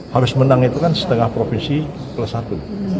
harus menang itu kan setengah provinsi plus satu